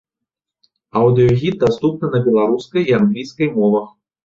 Аўдыёгід даступны на беларускай і англійскай мовах.